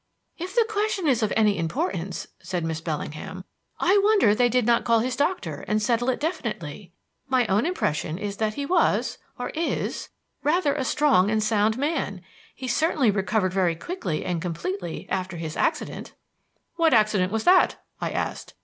"If the question is of any importance," said Miss Bellingham, "I wonder they did not call his doctor and settle it definitely. My own impression is that he was or is rather a strong and sound man. He certainly recovered very quickly and completely after his accident." "What accident was that?" I asked.